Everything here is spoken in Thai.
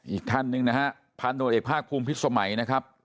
อีกท่านหนึ่งนะฮะพันตรวจเอกภาคภูมิพิษสมัยนะครับ